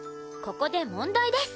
ここで問題です。